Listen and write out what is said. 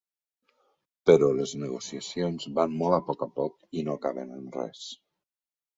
Però les negociacions van molt a poc a poc i no acaben en res.